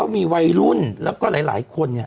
มีวัยรุ่นแล้วก็หลายคน